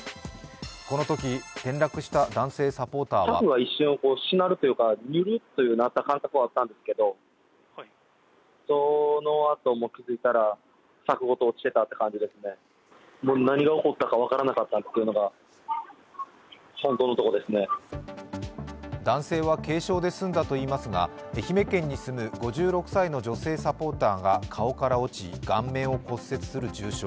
このとき転落した男性サポーターは男性は軽傷で済んだといいますが、愛媛県に住む５６歳の女性サポーターが顔から落ち顔面を骨折する重傷。